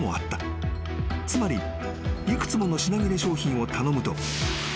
［つまり幾つもの品切れ商品を頼むと］